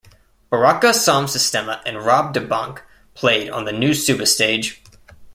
Buraka Som Sistema and Rob Da Bank played on the new Suba Stage.